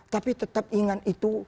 tapi tetap ingat itu